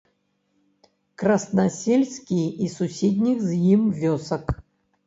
Краснасельскі і суседніх з ім вёсак.